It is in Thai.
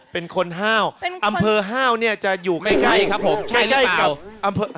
เป็นคนห้าวอำเภอห้าวจะอยู่ใกล้ใกล้กับ